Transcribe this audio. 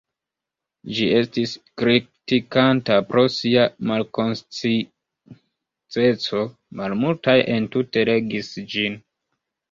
Ĝi estis kritikata pro sia “malkoncizeco”, malmultaj entute legis ĝin.